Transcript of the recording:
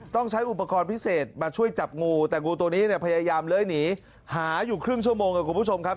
ต้องใช้อุปกรณ์พิเศษมาช่วยจับงูแต่งูตัวนี้เนี่ยพยายามเล้ยหนีหาอยู่ครึ่งชั่วโมงครับคุณผู้ชมครับ